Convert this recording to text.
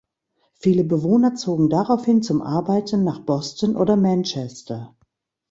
Viele Bewohner zogen daraufhin zum Arbeiten nach Boston oder Manchester.